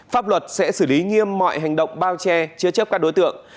pháp luật sẽ xử lý nghiêm mọi hành động bao che chứa chấp các đối tượng